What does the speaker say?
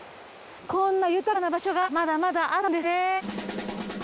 こんな豊かな場所がまだまだあったんですね。